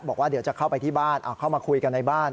บอกว่าเดี๋ยวจะเข้าไปที่บ้านเข้ามาคุยกันในบ้าน